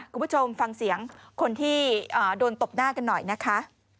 คุณผู้ชมฟังเสียงคนที่โดนตบหน้ากันหน่อยนะคะ